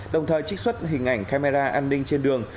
đồng thời trích xuất hình ảnh camera an ninh trên đường